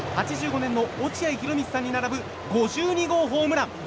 ８５年の落合博満さんに並ぶ５２号ホームラン。